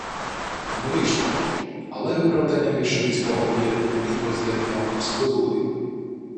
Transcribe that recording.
Не вийшло! Але виправдання більшовицького «об'єднання й возз'єднання» у Москви були